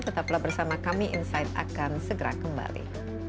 tetaplah bersama kami insight akan segera kembali